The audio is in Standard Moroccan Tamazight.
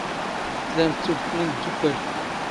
ⵜⵍⴰⵎⵜ ⵜⵓⴳⵜ ⵏ ⵉⵎⴷⴷⵓⴽⴽⴰⵍ.